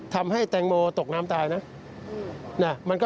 ทำให้แตงโมตกน้ำตายนะ